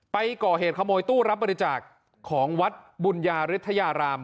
ไปก่อเหตุขโมยตู้รับบริจาคของวัดบุญญาฤทยาราม